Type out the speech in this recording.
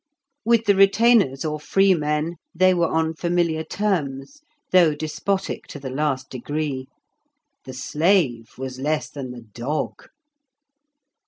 With the retainers, or free men, they were on familiar terms, though despotic to the last degree; the slave was less than the dog.